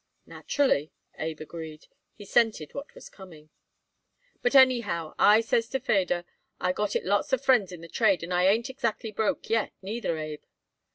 "Naturally," Abe agreed. He scented what was coming. "But anyhow, I says to Feder, I got it lots of friends in the trade, and I ain't exactly broke yet, neither, Abe."